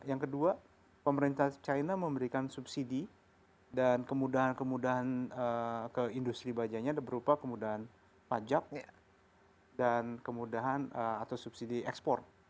yang kedua pemerintah china memberikan subsidi dan kemudahan kemudahan ke industri bajanya berupa kemudahan pajak dan kemudahan atau subsidi ekspor